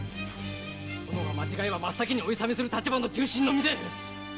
殿が間違えば真っ先にお諌めする立場の重臣の身で恥を知れ！！